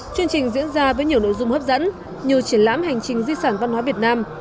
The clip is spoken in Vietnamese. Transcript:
chương trình diễn ra với nhiều nội dung hấp dẫn như triển lãm hành trình di sản văn hóa việt nam